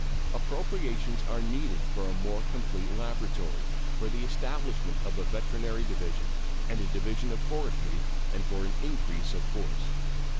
Appropriations are needed for a more complete laboratory, for the establishment of a veterinary division and a division of forestry, and for an increase of force.